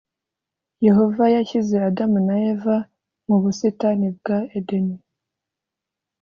Yehova yashyize Adamu na Eva mu busitani bwa Edeni